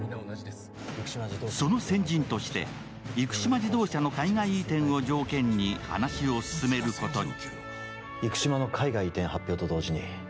その先陣として生島自動車の海外移転を条件に話を進めることに。